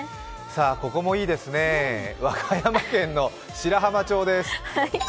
ここもいいですね、和歌山県の白浜町です。